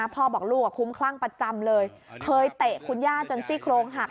พ่อบอกลูกคุ้มคลั่งประจำเลยเคยเตะคุณย่าจนซี่โครงหัก